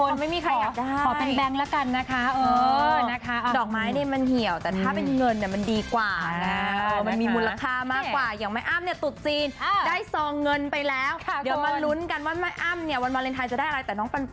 ซึ่งน่ารักมากเลยคุณผู้ชม